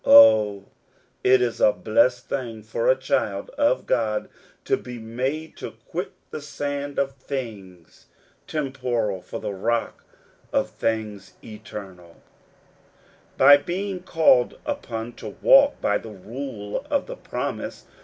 Oh, it is a blessed thing for a child of God to be made to quit the sand of things tem poral for the rock of things eternal, by being called upon to walk by the rule of the promise